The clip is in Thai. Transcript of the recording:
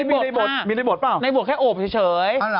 ก็บอกว่าไม่มีในบทในบทแค่โอบเฉย